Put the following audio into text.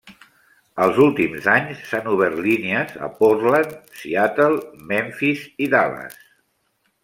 Els últims anys s'han obert línies a Portland, Seattle, Memphis i Dallas.